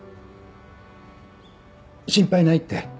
心配ないって。